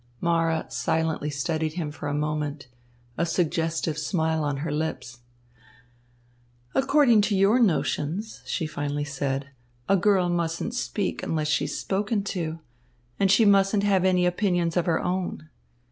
Mara silently studied him for a moment, a suggestive smile on her lips. "According to your notions," she finally said, "a girl mustn't speak unless she's spoken to, and she mustn't have any opinions of her own.